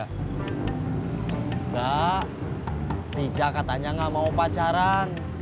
enggak dija katanya gak mau pacaran